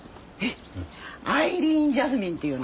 アイリーンジャスミンっていうの。